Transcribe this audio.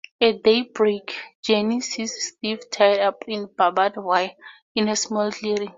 At daybreak, Jenny sees Steve tied up in barbed wire in a small clearing.